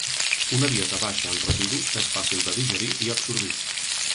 Una dieta baixa en residus és fàcil de digerir i absorbir.